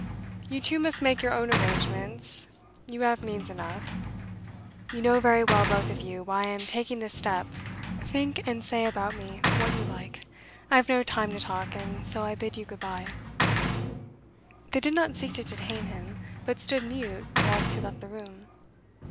You two must make your own arrangements; you have means enough. You know very well, both of you, why I am taking this step; think and say about me what you like. I have no time to talk, and so I bid you good bye.' They did not seek to detain him, but stood mute whilst he left the room.